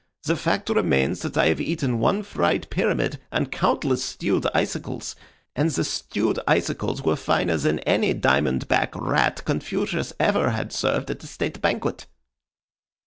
The fact remains that I have eaten one fried pyramid and countless stewed icicles, and the stewed icicles were finer than any diamond back rat Confucius ever had served at a state banquet."